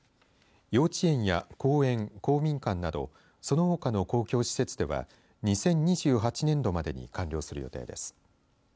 幼稚園や公園、公民館などそのほかの公共施設では２０２８年度までに完了する予定です。